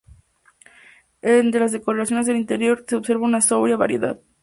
En las decoraciones del interior, se observa una sobria variedad.